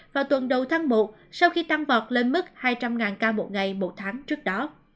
vào tuần đầu tháng một sau khi tăng vọt lên mức hai trăm linh ca một ngày một tháng trước đó